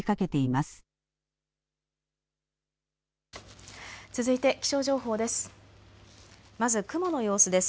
まず雲の様子です。